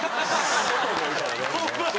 ホンマや！